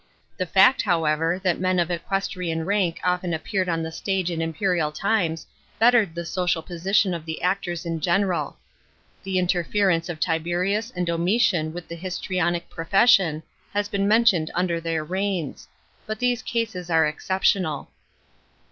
The fact, however, that men of equestrian rank often appeared on the stage in imperial times bettered the social position of the actors in general. The inter lerence of> Tiberius and Domitian with the histrionic profission has been mentioned under their reums ; but these cases were exceptional.